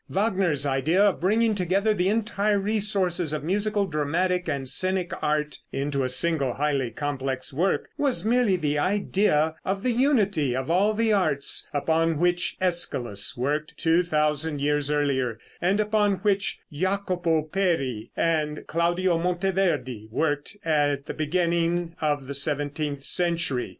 Wagner's idea of bringing together the entire resources of musical, dramatic and scenic art into a single highly complex work was merely the idea of the unity of all the arts, upon which Æschylus worked two thousand years earlier, and upon which Jacopo Peri and Claudio Monteverde worked at the beginning of the seventeenth century.